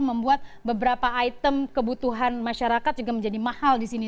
membuat beberapa item kebutuhan masyarakat juga menjadi mahal di sini